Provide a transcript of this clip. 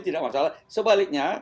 tidak masalah sebaliknya